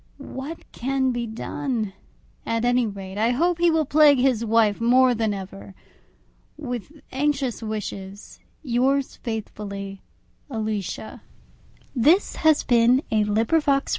What can be done? At any rate, I hope he will plague his wife more than ever. With anxious wishes, Yours faithfully, ALICIA. XXXIII _Lady Susan to Mrs. Johnson.